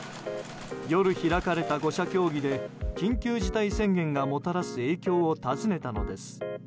夜、開かれた５者協議で緊急事態宣言がもたらす影響をたずねたのです。